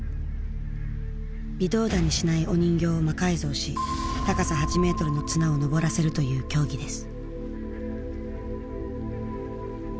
微動だにしないお人形を魔改造し高さ８メートルの綱を登らせるという競技です。